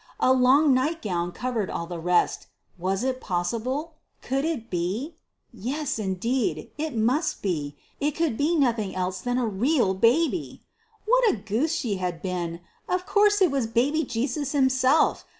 A long night gown covered all the rest. Was it possible? Could it be? Yes, indeed! it must be it could be nothing else than a real baby! What a goose she had been! Of course it was baby Jesus himself!